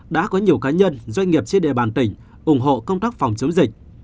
đã có nhiều cá nhân doanh nghiệp trên địa bàn tỉnh ủng hộ công tác phòng chống dịch